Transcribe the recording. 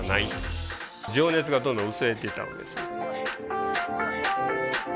情熱がどんどん薄れていったわけです。